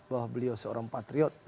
bahwa beliau seorang patriot